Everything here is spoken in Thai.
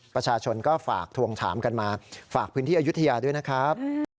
ประชาชนก็ฝากทวงถามกันมาฝากพื้นที่อายุทยาด้วยนะครับ